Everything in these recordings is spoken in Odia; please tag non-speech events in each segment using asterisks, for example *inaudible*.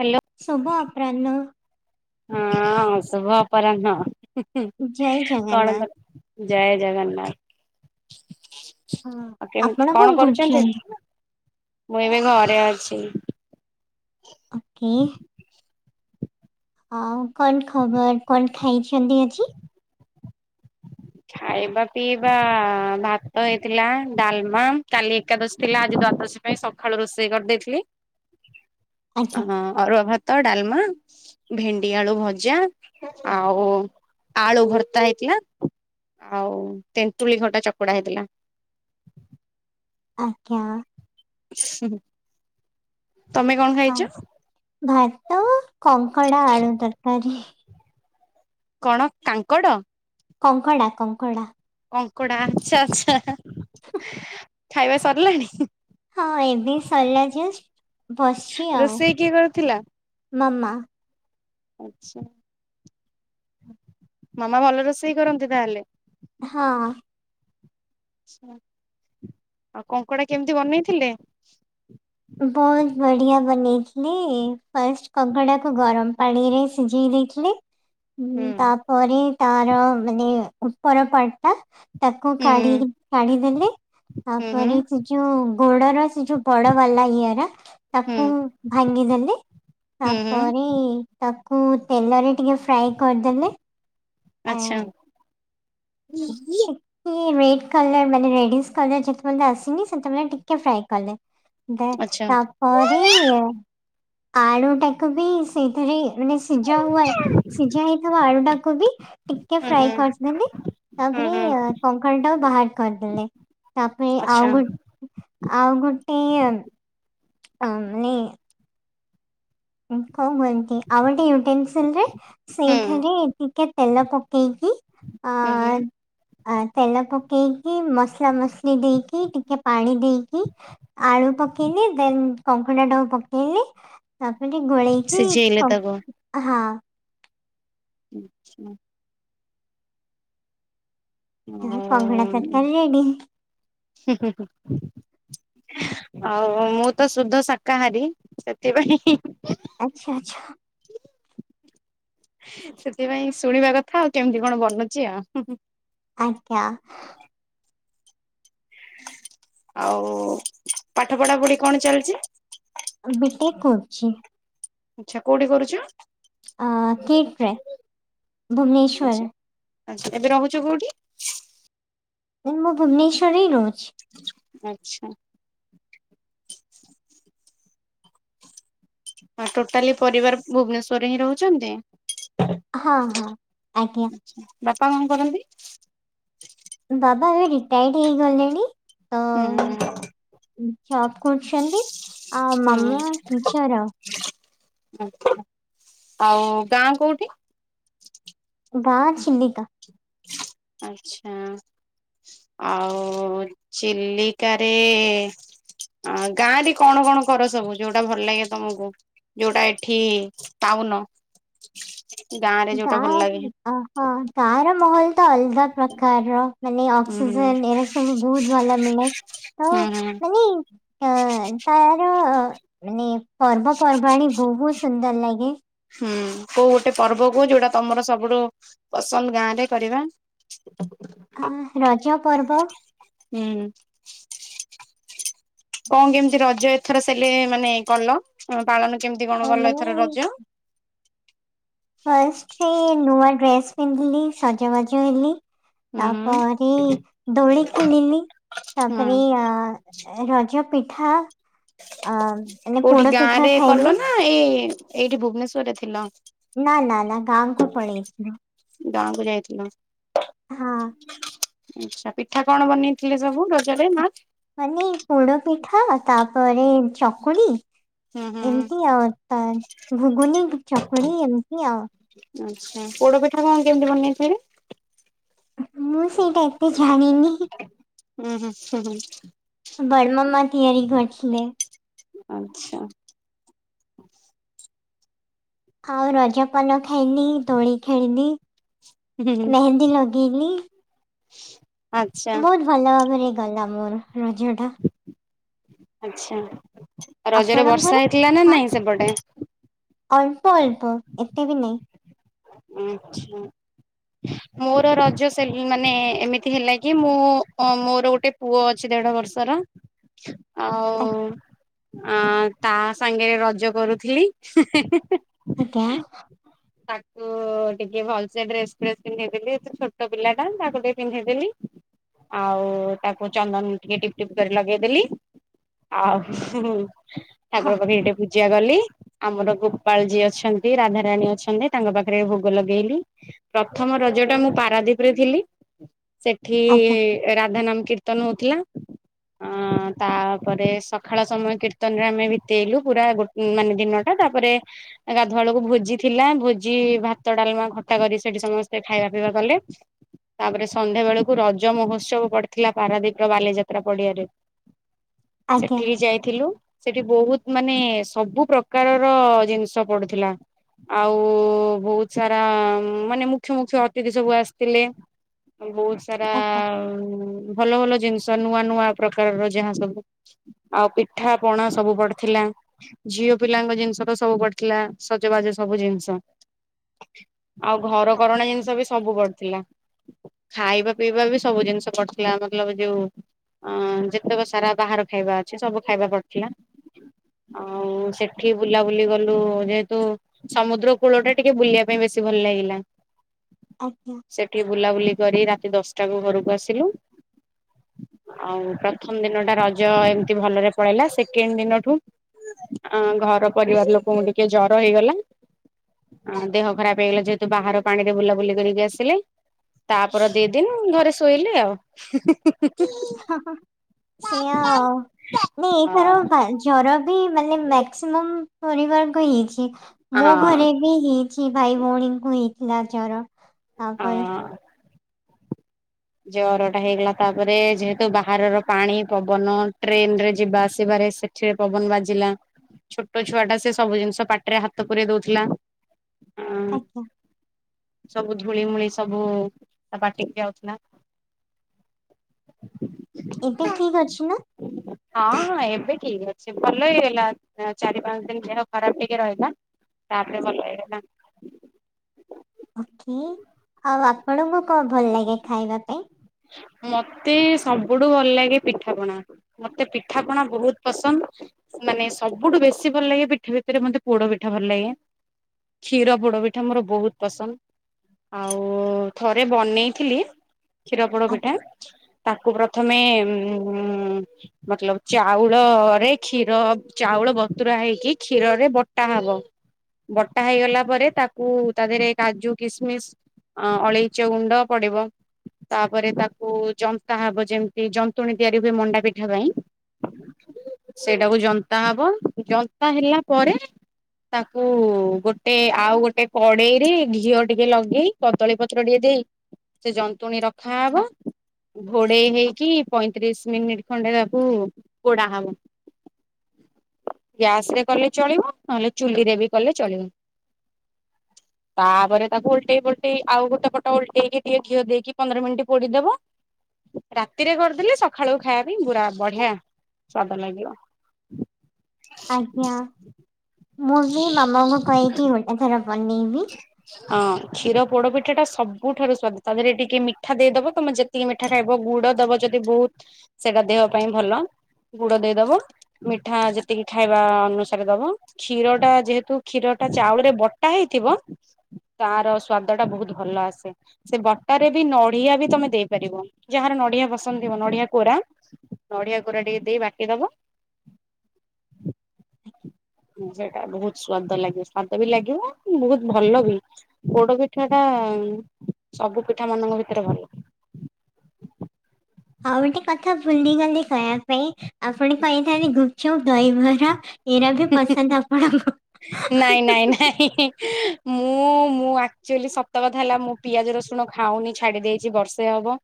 ହ୍ୟାଲୋ ଶୁଭ ଅପରାହନ। ହଁ, ଶୁଭ ଅପରାହନ। ଜୟ କଣ ଜଗନ୍ନାଥ କ, ଜୟ ଜଗନ୍ନାଥ। ଆଉ କେମିତି କଣ କରୁଛନ୍ତି, ମୁଁ ଏବେ ଘରେ ଅଛି। ଆ କିି *unintelligible* ଆଉ କଣ ଖବର? କଣ ଖାଇଛନ୍ତି ଆଜି? ଖାଇବା ପିଇବା- ଭାତ ହେଇଥିଲା, ଡାଲମା, କାଲି ଏକାଦଶୀ ଥିଲା ଆଜି ଦ୍ୱାଦଶୀ ପାଇଁ ସକାଳୁ ରୋଷେଇ କରିଦେଇଥିଲି। *inaudible* ଆଜ୍ଞା ହଁ ଅରୁଆ ଭାତ, ଡାଲମା ଭେଣ୍ଡି ଆଳୁ ଭଜା ଆଉ ଆଳୁ ଭରତା ହେଇଥିଲା। ଆଉ ତେନ୍ତୁଳି ଖଟା ଚକୁଡା ହେଇଥିଲା। ଆଜ୍ଞା। ହୁଁ। ହ ଭାତ କଙ୍କଡ଼ା ଆଳୁ ତରକାରୀ। କଣ କାଙ୍କଡ? କଙ୍କଡ଼ା, କଙ୍କଡ଼ା କଙ୍କଡା, ଆଛା ଆଛା, ଖାଇବା ସରିଲାଣି? ହଁ ଏବେ ସରିଲା ଜଷ୍ଟ, ବସିଛି ଆଉ, ରୋଷେଇ କିଏ ମାମା ଆଛା, ମାମା ଭଲ ରୋଷେଇ କରନ୍ତି ତାହେଲେ? ହଁ ଆଉ କଙ୍କଡା କେମିତି ବନେଇଥିଲେ। ବହୁତ ବଢିଆ ବନେଇଚି। ଥିଲି ଫାଷ୍ଟ କଙ୍କଡା କୁ ଗରମ ପାଣିରେ ସିଝେଇ ଦେଇଥିଲି। ହୁଁ ତାପରେ ତାର ମାନେ ଉପର ପାଟ ଟା ତାକୁ ହୁଁ କାଢି ହୁଁ କାଢିଦେଲି। ହୁଁ ତାପରେ ହୁଁ ସେ ଯୋଉ ଗୋଡର ସେ ଯୋଉ ବଡ କଲା ଇଆରା ତାକୁ ଭାଙ୍ଗିଦେଲି। ହୁଁ ହୁଁ ତାପରେ ତାକୁ ତେଲରେ ଟିକେ ଫ୍ରାଏ କରିଦେଲେ। ଆ ହୁଁ ଇଏ ରେଡ କଲର ମାନେ ରେଡିସ୍ କଲର ଯେତେବେ ଆସିନି। ସେତେ ବେଳେ ଟିକେ ଫ୍ରାଏ କଲେ। ଦ ଆଚ୍ଛା। ତାପରେ ହୁଁ ଆଳୁ ଟାକୁ ବି ସେଇଥିରେ ମାନେ ସିଝା ହୁଆ। ସିଝା ହେଇଥିବା ଆଳୁ ଟାକୁୁ ବି ଟିକେ ହୁଁ ଫ୍ରାଏ କରିିଦେବେ। ହୁଁ ତାପରେ ହୁଁ କଙ୍କଳ ଟାକୁ ବାହାର କରିଦେଲେ। ତାପରେ ଆଚ୍ଛା ଆଉ ଗୋ ଆଉ ଗୋଟେ ମାନେ ଉଁ କଉ ଭାଇ ଆଉ ଗୋଟେ ୟଟେନସିଲରେ ହୁଁ ସେଇଥିରେ ଟିକେ ତେଲ ପକେଇକି। ହୁଁ। ଆ ତେଲପକେଇ ମସଲା ମୁସୁଲି ଦେଇକି ଟିକେ ପାଣି ଦେଇକି ଆଳୁ ପକେଇଲେ ଦେନ କ ଖଣ୍ଡା ଟାକୁ ପକେଇକି ତାପରେ ଟିକେ ଗୋଳେଇକି ସିଝେଇଲେ ତାକୁ। ହଁ। ଆଛା। ଓ ହୁଁ ହୁଁ ହୁଁ। ଆଉ ମୁଁ ତ ସୁଧ ଶାକାହାରୀ ସେଥିପାଇଁ ଆଛା ଆଚ୍ଛା। ସେଥିପାଇଁ ଶୁଣିବା କଥା ଆଉ କେମିତି କଣ ବନୁଚି ଆଉ। ଆଜ୍ଞା। ଆଉ ପାଠ ପଢାପଢି କଣ ଚାଲିଚି। ବି ଟେକ କରୁଚି। ଆଛା କୋଉଠି କରୁଚ। ଅ କେକଟ୍ରେ ଭୁବନେଶ୍ଵର। ଆଛା ଏବେ ରହୁଚ କୋଉଠି? ମୁଁ ନା ଭୁବନେଶ୍ଵରରେ ହିଁ ରହୁଚି। ଆଚ୍ଛା। ହଁ ଟୋଟାଲି ପରିବାର ଭୁବନେଶ୍ବର ରେ ହିଁ ରହୁଚନ୍ତି। ହଁ ହଁ ଆଜ୍ଞା। ବାପା କଣ କରନ୍ତି। ଦାଦା ଏବେ ରିଟାୟାର୍ଡ ହେଇଗଲେଣି। ହୁଁ। ଜବ କରୁଛନ୍ତି ଆଉ ମାମା ଟିଚର ଆଉ। ଆଛା ଆଉ ଗାଁ କୋଉଠି। ଗାଁ ଚିଲିକା। ଆଚ୍ଛା। ଆଉ ଚିଲିକାରେ ଆ ଗାଁ ରେ କଣ କଣ କର ସବୁ ଯୋଉଟା ଭଲ ଲାଗେ ତମକୁ। ଯୋଉଟା ଏଠି ଉନ ଗାଁ ଅହ ଗାଁ ର ମହଲ ତ ଅଲଗା ପ୍ରକାରର। ମାନେ ହୁଁ ହୁଁ ଅକ୍ସିଜେନ ଏରା ସବୁ ବହୁତ ଭଲ ମିଳେ? କୋଉ ହୁଁ ହୁଁ ମାନେ ଅ ତାର ମାନେ ପର୍ବପର୍ବାଣି ବହୁତ ସୁନ୍ଦର ଲାଗେ। ହୁଁ କୋଉ ଗୋଟେ ପର୍ବ କୋଉଚୁ। ଯୋଉଟା ତମର ସବୁଠୁ ପସନ୍ଦ ଗାଁ ରେ କରିବା। ଆଁ ରଜ ପର୍ବ ହୁଁ। ଙ୍କ କେମିତି ରଜ ଏଥର ସେଲେ ମାନେ କନ ଙ୍କ ପା କେମିତି ଅ, କଣ ଗଲ ମାନେ ଏଥର ରଜ? ଡ୍ରେସ ପିନ୍ଧିଲି ସଜବାଜ ହେଲି। ହୁଁ ହୁଁ ତାପରେ ଦୋଳି ଖେଳିଲି। ହୁଁ ତାପରେ ଅ ରଜ ପିଠା ଅ ମାନେ କୋଉଠି ପୋଡ ଗାଁ ପିଠା ରେ ଖାଇଲି କଲ ନା ଏଇ ଏଇଠି ଭୁବନେଶ୍ଵରରେ ଥିଲ? ନା ନା ନା ଗାଁକୁ ପଳେଇଥିଲୁ ଗାଁକୁ ଯାଇଥିଲ। ହଁ ଆଛା ପିଠା କଣ ବନେଇଥିଲେ ସବୁ ରଜରେ ମା? ମାନେ ପୋଡ ପିଠା ତାପରେ ଚକୁଳି ହୁଁ ହୁଁ। ଏମତି ଆଉ ତା ଘୁଗୁନ ଚକୁଡି ଏମତି ଆଉ। ଆଛା ପୋଡ ପିଠା କଣ କେମିତି ବନେଇଥିଲି? ମୁଁ ସେଇଟା ଏତେ ଜାଣିନି। ଉଁ ହୁଁ ଉଁ ହୁଁ। ବଡମାମା ତିଆରି କରଥିଲେ। ଆଛା। ଆଉ ରଜପାନ ଖାଇନି ଦୋଳି ଖେଳିନି ହୁଁ ହୁଁ ମେହେନ୍ଦୀ ଲଗେଇଲି। ଆଚ୍ଛା ବହୁତ ଭଲ ଭାବରେ ଗଲା ମୋର ରଜ ଟା। ଆଛା ରଜରେ ଆପଣଙ୍କର ବର୍ଷା ହେଇଥିଲା ନା ହଁ ନାଇଁ ସେପଟେ ଅଳ୍ପ ଅଳ୍ପ ଏତେ ବି ନାଇ। ଆଛା। ମୋର ରଜ ସେ ମାନେ ଏମିତି ହେଲା କି ମୁଁ ମୋର ଗୋଟେ ପୁଅ ଅ ଦେଢ ବର୍ଷର ଆ- ଆଉ ଆ ତା ସାଙ୍ଗରେ ରଜ କରୁଥିଲି ହେଁ ହେଁ ହେଁ। *unintelligible* ତ ଟିକେ ଭଲ ସେ ଡ୍ରେସ ଫ୍ରେସ ପିନ୍ଧେଇଦେଲି ଛୋଟ ପିଲା ଟା ତାକୁ ଟିକେ ପିନ୍ଧେଇଦେଲି ଆଉ ତାକୁ ଚନ୍ଦନ ଟିକେ ଟିପଟିପ କରି ଲଗେଇଦେଲି। ଆଉ ଠାକୁର ହଁ ପାଖେରେ ଟିକେ ପୂଜା କଲି ଆମର ଗୋପାଳଜୀ ଅଛନ୍ତି ରାଧାରାଣୀ ଅଛନ୍ତି। ତାଙ୍କ ପାଖରେ ଭୋଗ ଲଗେଇଲି ପ୍ରଥମ ରଜ ଟା ମୁଁ ପାରାଦୀପ ରେ ଥିଲି ସେଠି ଆଜ୍ଞା ରାଧା ନାମ କୀର୍ତ୍ତନ ହଉଥିଲା ଅ ତାପରେ ସକାଳ ସମୟ କୀର୍ତ୍ତନରେ ଆମେ ବିତେଇଲୁ ପୁରା ଗୋ ମାନେ ଦିନଟା। ତାପରେ ଗାଧୁଆ ବଳକୁ ଭୋଜି ଥିଲା ଯେ ଭାତ ଡାଲମା ଖଟା କରି ସେଠି ସମସ୍ତେ ଖାଇବା ପିଇବା କଲେ। ତାପରେ ସନ୍ଧ୍ୟା ବେଳକୁ ରଜ ମହୋତ୍ସବ ପଡିଥିଲା ପାରାଦୀପ ର ବାଲିଯାତ୍ରା ପଡିଆରେ। ଆଜ୍ଞା ସେଠିକି ଯାଇଥିଲୁ ସେଠି ବହୁତ ମାନେ ସବୁ ପ୍ରକାରର ଜିନିଷ ପଡୁଥିଲା ଆଉ ବୋ ବୋହୁତ ସାରା ମାନେ ମୁଖ୍ୟ ମୁଖ୍ୟ ଅତିଥି ସବୁ ଆସିଥିଲେ। ବହୁତ ସାରା ଆଜ୍ଞା ଭଲ ଭଲ ଜିନଷ ନୂଆ ନୂଆ ପ୍ରକାରର ଯାହା ସବୁ ଆଉ ପିଠା ପଣା ସବୁ ପଡିଥିଲା ଇ ଝିଅ ପିଲାଙ୍କ ଜିନିଷ ତ ସବୁ ପଡିଥିଲା ସଜବାଜ ସବୁ ଜିନିଷ। ଆଉ ଘର କରଣା ଜିନିଷ ବି ସବୁ ପଡଥିଲା। ଖାଇବା ପିଇବା ବି ସବୁ ଜିନିଷ କରୁଥିଲା ମତଲବ ଯୋଉ ଅ ଯେତେକ ସାରା ବାହାର ଖାଇବା ଅଛି ସବୁ ଖାଇବା ପଡଥିଲା। ଆଉ ସେଠି ବୁଲାବୁଲି ଗଲୁ ଯେହେତୁ ସମୁଦ୍ର କୂଳଟେ ଟିକେ ବୁଲିବା ପାଇଁ ବେଶୀ ଭଲ ଲାଗିଲା ଆଜ୍ଞା ସେଠି ବୁଲାବୁଲି କରି ସେ ଦଶଟାକୁ ଘରକୁ ଆସିଲୁ। ଆଉ ପ୍ରଥମ ଦିନ ଟା ରଜ ଏମତି ଭଲରେ ପଳେଇଲା ସେକେଣ୍ଡ ଦିନଠୁ ଆ ଘର ପରିବାର ଲୋକଙ୍କୁ ଟିକେ ଜର ହେଇଗଲା ଦେହ ଖରାପ ହେଇଗଲା ଯେହେତୁ ବାହାର ପାଣିରେ ବୁଲାବୁଲି କରିକି ଆସିଲେ ତାପର ଦି ଦିନ ଘରେ ଶୋଇଲି ଆଉ ହ ହ ସେଇଆ ଆଉ ନାଇ ଏ ଥର ହଁ ଜର ବିି ମାନେ ମେକ୍ସିମମ୍ ପରିବାର କୁ ହେଇଛି ମୋ ଘରେ ବି ହେଇଛି ଭାଇ ଭଉଣୀଙ୍କୁ ହେଇ ପିଲା ଜର ହଁ ତାପରେ ଜର ଟା ହେଇଗଲା ତାପରେ ଯେହେତୁ ବାହାରର ପାଣି ପବନ ଟ୍ରେନ ରେ ଯିବା ଆସିବା ରେ ସେଠିରେ ପବନ ବାଜିଲା ଛୋଟ ଛୁଆ ଟା ସେ ସବୁ ଜିନିଷ ପାଟିରେ ହାତ ପୁରେଇ ଦଉଥିଲା ହଁ ଆଜ୍ଞା ସବୁ ଧୂଳିମୂଳି ସବୁ ତା ପାଟିିକି ଯାଉଥିଲା ଏବେ ଠିକ ଅଛି ନା ହଁ ହଁ ଏବେ ଠିକ ଅଛି ଭଲ ହେଇଗଲା ଚାରି ପାଞ୍ଚ ଦିନ ଦେହ ଖରାପ ଟିକେ ରହିଲା ତାପରେ ଭଲ ହେଇଗଲା ଓକେ ଆଉ ଆପଣଙ୍କୁ କଣ ଭଲ ଲାଗେ ଖାଇବା ପାଇଁ ମତେ ସବୁଠୁ ଭଲ ଲାଗେ ପିଠାପଣା ମତେ ପିଠାପଣା ବହୁତ ପସନ୍ଦ ମାନେ ସବୁଠୁ ବେଶୀ ଭଲ ଲାଗେ ପିଠା ଭିତରେ ମତେ ପୋଡ ପିଠା ଭଲ ଲାଗେ କ୍ଷୀର ପୋଡ ପିଠା ମୋର ବହୁତ ପସନ୍ଦ ଆଉ ଥରେ ବନେଇଥିଲି କ୍ଷୀର ପୋଡ ଆ- ପିଠା ତାକୁ ପ୍ରଥମେ ଉ ମତଲବ ଚାଉଳରେ କ୍ଷୀର ଚାଉ ଉଳ ବତୁରା ହେଇକି କ୍ଷୀର ରେ ବଟା ହବ ବଟା ହେଇଗଲା ପରେ ତାକୁ ତା ଦେହରେ କାଜୁ କିସମିସ ଅ ଅଳେଇଚ ଗୁଣ୍ଡ ପଡିବ ତାପରେ ତାକୁ ଜନ୍ତା ହବ ଯେମିତି ଯନ୍ତୁଣୀ ତିଆରି ହୁଏ ମଣ୍ଡା ପିଠା ପାଇଁ ସେଇଟାକୁ ଜନ୍ତା ହବ ଜନ୍ତା ହେଲା ପରେ ତାକୁ ଗୋଟେ ଆଉ ଗୋଟେ କଡେଇରେ ଘିଅ ଟିକେ ଲଗେଇ କଦଳୀ ପତ୍ର ଟିକେ ସେ ସେ ଯନ୍ତୁଣୀ ରଖାହବ ଘୋଡେଇ ହେଇକି ପଇଁତିରିଶ ମିନିଟ ଖଣ୍ଡେ ତାକୁ ପୋଡା ହବ ଗ୍ୟାସ ରେ କଲେ ଚଳିବ ନହେଲେ ଚୁଲିରେ ବି କଲେ ଚଳିବ ତାପରେ ତାକୁ ଓଲଟେଇ ପୋଲଟେଇ ଆଉ ଗୋଟେ ପଟ ଉଲଟେଇକି ଟିକେ ଘିଅ ଦେଇକି ପନ୍ଦର ମିନିଟ ପୋଡିଦବ ରାତିରେ କରିଦେଲେ ସକାଳୁ ଖାଇବା ପାଇଁ ପୁର ବଢିଆ ସ୍ୱାଦ ଲାଗିବ ଆଜ୍ଞା ମୁଁ ବି ମାମାଙ୍କୁ କହିକି ଗୋଟେ ଥର ବନେ ହଁ କୀର ପୋଡ ପିଠ ପଠା ଟା ସବୁଠାରୁ ସ୍ଵାଦ ତା ଦେହରେ ଟିକେ ମିଠା ଦେଇଦବ ତମେ ଯେତିକି ମିଠା ଖାଇବ ଗୁଡ ଦବ ଯଦି ବହୁତ ସେଟା ଦେହ ପାଇଁ ଭଲ ଗୁଡ ଦେଇଦବ ମିଠା ଯେତିକି ଖାଇବା ଅନୁସାରେ ଦବ କ୍ଷୀର ଟା ଯେହେତୁ କ୍ଷୀର ଚାଉଳରେ ବଟା ହେଇଛି ଥିବ ତାର ସ୍ଵାଦ ଟା ବହୁତ ଭଲ ଆସେ ସେ ବଟା ରେ ବି ନଡ଼ିଆ ବି ତମେ ଦେଇ ପାରିବ ଯାହାର ନଡିଆ ପସନ୍ଦ ଥିବ ନଡିଆ କୋରା ନଡିଆ କୋରା ଟିକେ ଦେଇ ବାଟି ଦବ *inaudible* ସେଟା ବହୁତ ସ୍ଵାଦ ଲାଗିବ ସ୍ଵାଦ ବି ଲାଗିବ ବହୁତ ଭଲ ବି ପୋଡ ପିଠା ଟା ସବୁ ପିଠା ମାନଙ୍କ ଭିତରେ ଭଲ। *inaudible* ଆଉ ଗୋଟେ କଥା ଭୁଲିଗଲେ କହିବା ପାଇଁ ଆପଣ କହିଥାନ୍ତି ଗୁପଚପ ଦହିବରା ଏଇରା ବି ପସନ୍ଦ ଆପଣଙ୍କୁ ନାଇଁ ନାଇଁ ନାଇଁ ମୁଁ ମୁଁ ମୁଁ ଆକଚୁଆଲି ସତ କଥା ହେଲା ମୁଁ ପିଆଜ ରସୁଣ ଖାଉନି ଛାଡି ଦେଇଛି ବର୍ଷେ ହବ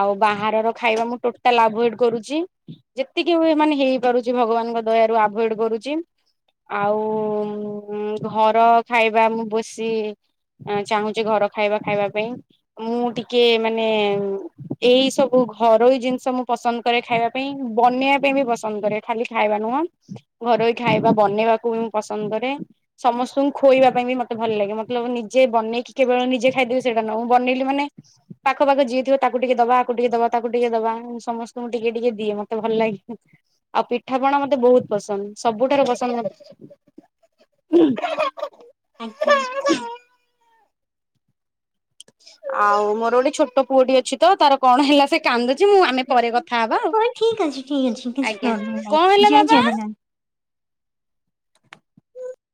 ଆଉ ବାହାରର ଖାଇବା ମୁଁ ଟୋଟାଲ ଆଭୋଏଡ କରୁଚି, ଯେତିକି ହୁଏ ମାନେ ହେଇପାରୁଚି ଭଗବାନ ଙ୍କ ଦୟାରୁ ଆଭୋଏଡ କରୁଚି ଆଉ *inaudible* ଉଁ ଘର ଖାଇବା ମୁଁ ବେଶୀ ଚାହୁଁଛି ଘର ଖାଇବା ଖାଇବା ପାଇଁ। ମୁଁ ଟିକେ ମାନେ ଏଇ ସବୁ ଘରୋଇ ଜିନିଷ ମୁଁ ପସନ୍ଦ କରେ ଖାଇବା ପାଇଁ, ବନେଇବା ପାଇଁ ବି ପସନ୍ଦ କରେ, ଖାଲି ଖାଇବା ନୁହଁ ଘରୋଇ ଖାଇବା ବନେଇବାକୁ ବି ମୁଁ ପସନ୍ଦ କରେ। ସମସ୍ତଙ୍କୁ ଖୋଇବା ପାଇଁ ବି ମତେ ଭଲ ଲାଗେ ମତଲବ ନିଜେ ବନେଇକି କେବଳ ନିଜେ ଖାଇଦେବି ସେଇଟା ନୁହଁ, ମୁଁ ବନେଇଲି ମାନେ ପାଖ ପାଖ ଯିଏ ଥିବ ତାକୁ ଟିକେ ଦବା, ଆକୁ ଟିକେ ଦବା, ତାକୁ ଟିକେ ଦବା, ମୁଁ ସମସ୍ତଙ୍କୁ ଟିକେ ଟିକେ ଦିଏ ମତେ ଭଲ ଲାଗେ। ଆଉ ପିଠାପଣା ମତେ ବହୁତ ପସନ୍ଦ, ସବୁଠାରୁ ପସନ୍ଦ ମତେ ହୁଁ ଆଜ୍ଞା। ଆଉ ମୋର ଗୋଟେ ଛୋଟ ପୁଅଟି ଅଛି ତ ତାର କଣ ହେଲା ସେ କାନ୍ଦୁ ଆଜି ମୁଁ ଆମେ ପରେ କଥା ହବା ଆଉ ହଁ ଠିକ୍ ଅଛି ଠିକ୍ ଅଛି କିଛି ଆଜ୍ଞା। ପ୍ରୋବ୍ଲେମ୍ ନାହିଁ କଣ ହେଲା ଜୟ ବାବା? ଜଗନ୍ନାଥ *inaudible*